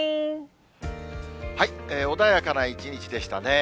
穏やかな一日でしたね。